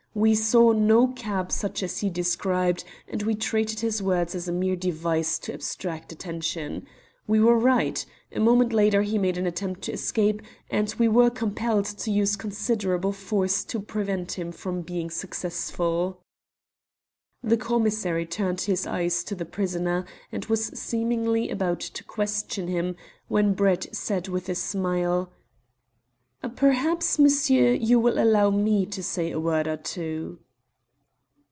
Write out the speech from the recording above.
We saw no cab such as he described, and we treated his words as a mere device to abstract attention. We were right. A moment later he made an attempt to escape, and we were compelled to use considerable force to prevent him from being successful." The commissary turned his eyes to the prisoner and was seemingly about to question him, when Brett said with a smile "Perhaps, monsieur, you will allow me to say a word or two."